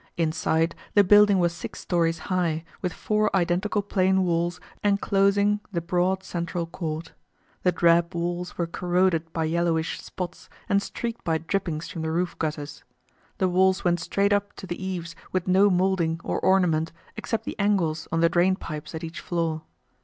Inside, the building was six stories high, with four identical plain walls enclosing the broad central court. The drab walls were corroded by yellowish spots and streaked by drippings from the roof gutters. The walls went straight up to the eaves with no molding or ornament except the angles on the drain pipes at each floor.